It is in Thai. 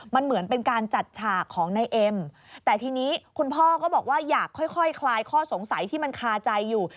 มันเหมือนเป็นการจัดฉากของนายเอ็มแต่ทีนี้คุณพ่อก็บอกว่าอยากค่อยคลายข้อสงสัยที่มันคาใจอยู่